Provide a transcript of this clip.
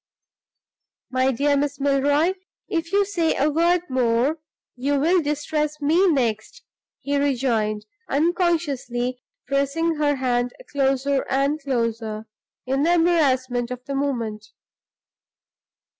"My dear Miss Milroy, if you say a word more you will distress me next," he rejoined, unconsciously pressing her hand closer and closer, in the embarrassment of the moment.